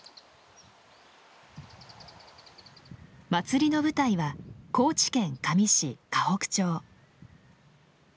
祭りの舞台は高知県香美市香北町。